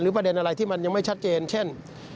ประเด็นอะไรที่มันยังไม่ชัดเจนเช่น